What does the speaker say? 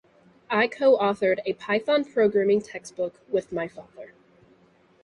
I co-authored a Python programming textbook with my father.